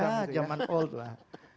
iya zaman old lah